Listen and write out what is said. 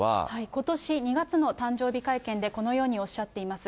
ことし２月の誕生日会見で、このようにおっしゃっています。